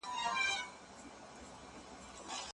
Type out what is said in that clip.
يوه ورځ رسول الله، له مسجد څخه راووت.